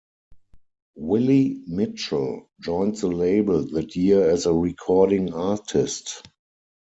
Willie Mitchell joined the label that year as a recording artist.